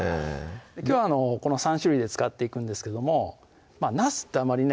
きょうはこの３種類で使っていくんですけどもなすってあんまりね